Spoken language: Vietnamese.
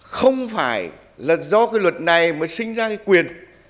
không phải là do cái luật này mà sinh ra cái quyền